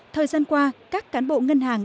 thời gian qua các cán bộ ngân hàng